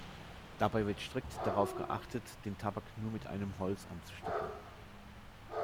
Dabei wird strikt darauf geachtet, den Tabak nur mit einem Holz anzustecken.